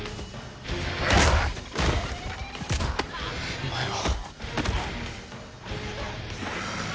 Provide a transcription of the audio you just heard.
お前は。